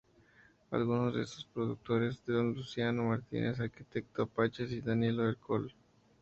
Algunos de estos productores son Luciano Martínez, Arquitecto, Apaches y Danilo Ercole.